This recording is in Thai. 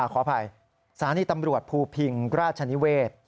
ขออภัยศาลีตำรวจภูพิงราชนิเวศ